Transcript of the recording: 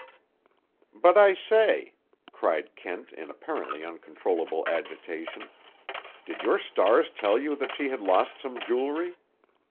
"But I say," cried Kent in apparently uncontrollable agitation; "did your stars tell you that she had lost some jewelry?